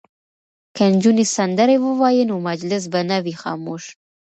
که نجونې سندرې ووايي نو مجلس به نه وي خاموش.